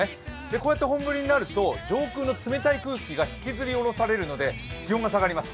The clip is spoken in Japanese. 本降りになりますと上空の冷たい空気が引きずり下ろされるので気温が下がります。